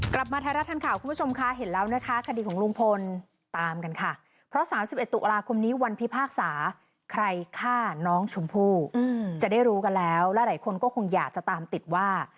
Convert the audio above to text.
กลับมาไทยรัฐทันข่าวคุณผู้ชมคะเห็นแล้วนะคะคดีของลุงพลตามกันค่ะเพราะ๓๑ตุลาคมนี้วันพิพากษาใครฆ่าน้องชมพู่จะได้รู้กันแล้วและหลายคนก็คงอยากจะตามติดว่า